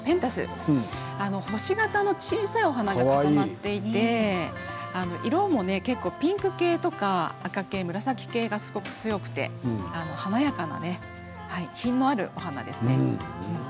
星形の小さなお花になっていて色もピンク系とか赤系、紫系が強くて華やかな品のあるお花ですね。